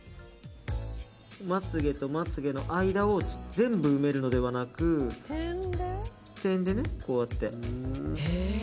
まつ毛とまつ毛の間を全部埋めるのではなく点で、こうやって。